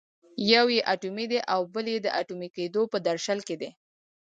یو یې اټومي دی او بل یې د اټومي کېدو په درشل کې دی.